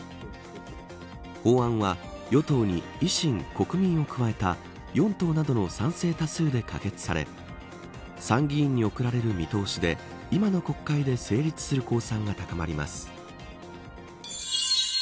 法案は与党に維新、国民を加えた４党などの賛成多数で可決され参議院に送られる見通しで今の国会で成立する公算が高まります。